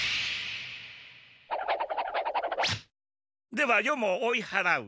では余も追いはらう。